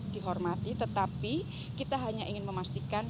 dihormati tetapi kita hanya ingin memastikan